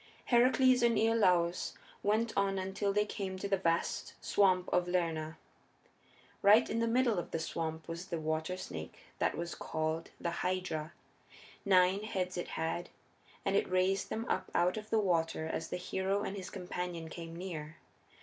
Heracles and Iolaus went on until they came to the vast swamp of Lerna. Right in the middle of the swamp was the water snake that was called the Hydra. Nine heads it had, and it raised them up out of the water as the hero and his companion came near.